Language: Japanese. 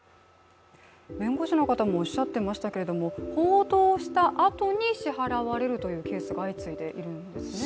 弁護士の方もおっしゃってましたけど報道したあとに、支払われるというケースが相次いでいるんですね。